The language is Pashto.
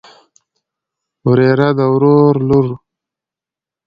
وريره د ورور لور.